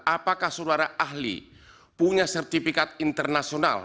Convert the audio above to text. apakah saudara ahli punya sertifikat internasional